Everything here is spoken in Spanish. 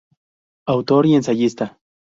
Autor y ensayista.